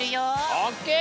オッケー！